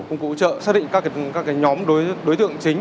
công cụ hỗ trợ xác định các nhóm đối tượng chính